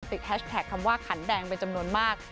แฮชแท็กคำว่าขันแดงเป็นจำนวนมาก